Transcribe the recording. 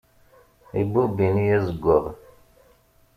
Ibubb ini azeggay.